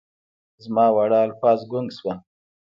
زما واړه الفاظ ګونګ شول